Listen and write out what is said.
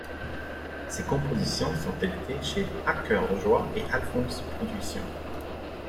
Ses compositions sont éditées chez À Cœur Joie et Alfonce production.